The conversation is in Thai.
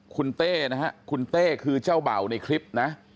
คุณเต้นะฮะคุณเต้คือเจ้าเบ่าในคลิปนะ